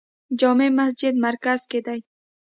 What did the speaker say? جامع مسجد مرکز کې دی